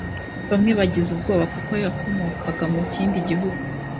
bamwe bagize ubwoba kuko yakomokaga mu kindi gihugu